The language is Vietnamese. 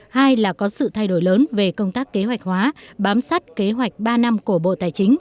hai là có sự thay đổi lớn về công tác kế hoạch hóa bám sát kế hoạch hóa